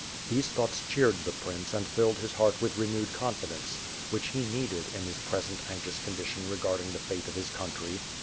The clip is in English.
These thoughts cheered the prince and filled his heart with renewed confidence, which he needed, in his present anxious condition regarding the fate of his country.